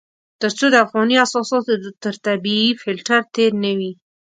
تر څو د افغاني اساساتو تر طبيعي فلټر تېر نه وي.